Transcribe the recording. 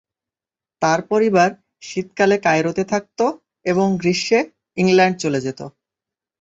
তার পরিবার শীতকালে কায়রোতে থাকত এবং গ্রীষ্মে ইংল্যান্ডে চলে যেত।